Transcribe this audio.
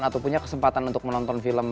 atau punya kesempatan untuk menonton film